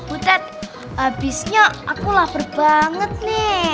butet habisnya aku lapar banget nih